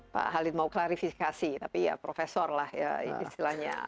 pak halid mau klarifikasi tapi ya profesor lah ya istilahnya